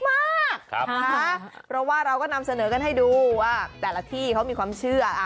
เพราะว่าเราก็นำเสนอกันให้ดูว่าแต่ละที่เขามีความเชื่อ